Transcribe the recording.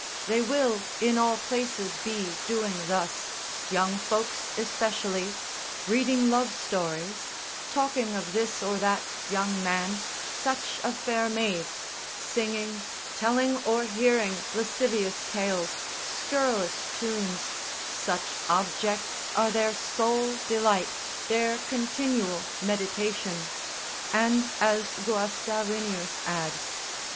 They will in all places be doing thus, young folks especially, reading love stories, talking of this or that young man, such a fair maid, singing, telling or hearing lascivious tales, scurrilous tunes, such objects are their sole delight, their continual meditation, and as Guastavinius adds, Com. in 4. Sect. 27. Prov. Arist.